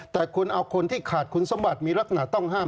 แต่คุณเอาคนที่ขาดคุณสมบัติมีลักษณะต้องห้าม